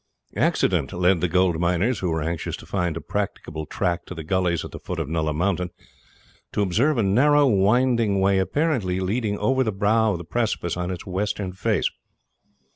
Accident led the gold miners, who were anxious to find a practicable track to the gullies at the foot of Nulla Mountain, to observe a narrow winding way apparently leading over the brow of the precipice on its western face.